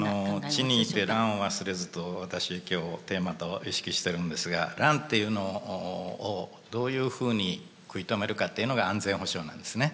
「治にいて乱を忘れず」と私今日テーマと意識してるんですが乱というのをどういうふうに食い止めるかっていうのが安全保障なんですね。